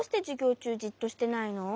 ちゅうじっとしてないの？